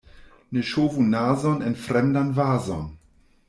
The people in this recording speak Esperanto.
Ne ŝovu nazon en fremdan vazon.